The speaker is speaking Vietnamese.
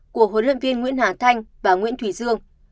của huấn luyện viên nguyễn hà thanh và nguyễn thủy dương